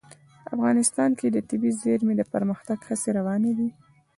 افغانستان کې د طبیعي زیرمې د پرمختګ هڅې روانې دي.